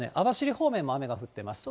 方面も雨が降ってます。